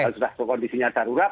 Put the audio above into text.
kalau sudah kondisinya darurat